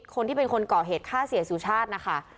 คนที่เป็นคนก่อเหตุฆ่าเสียสุชาตินะคะ